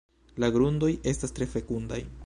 La grundoj estas tre fekundaj.